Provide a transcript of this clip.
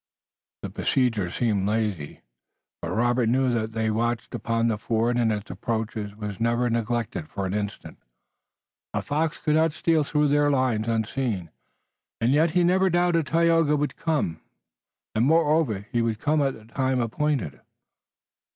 The besiegers seemed lazy, but Robert knew that the watch upon the fort and its approaches was never neglected for an instant. A fox could not steal through their lines, unseen, and yet he never doubted. Tayoga would come, and moreover he would come at the time appointed.